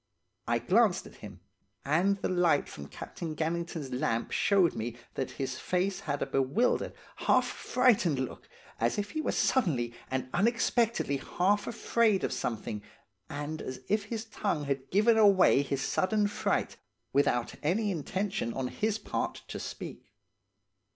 "I glanced at him, and the light from Captain Gannington's lamp showed me that his face had a bewildered, half frightened look, as if he were suddenly and unexpectedly half afraid of something, and as if his tongue had given away his sudden fright, without any intention on his part to speak.